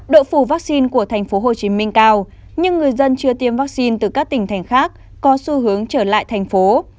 độ phủ vaccine của tp hcm cao nhưng người dân chưa tiêm vaccine từ các tỉnh thành khác có xu hướng trở lại thành phố